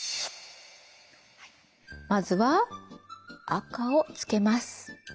まずは赤をつけます。